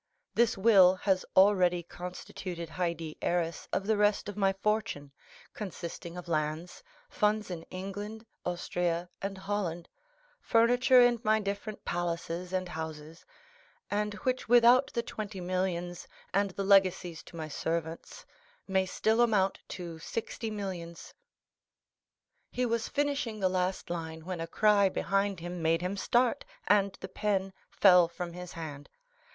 This will has already constituted Haydée heiress of the rest of my fortune, consisting of lands, funds in England, Austria, and Holland, furniture in my different palaces and houses, and which without the twenty millions and the legacies to my servants, may still amount to sixty millions." 40241m He was finishing the last line when a cry behind him made him start, and the pen fell from his hand.